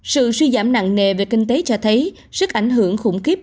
sự suy giảm nặng nề về kinh tế cho thấy sức ảnh hưởng khủng khiếp